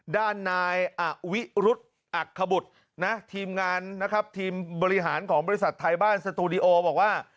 ด้านนายอวิรุธอักขบุตรนะทีมงานนะครับทีมบริหารของบริษัทไทยบ้านสตูดิโอบอกว่า